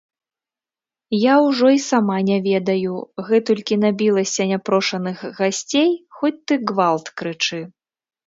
Я ўжо і сама не ведаю, гэтулькі набілася няпрошаных гасцей, хоць ты гвалт крычы.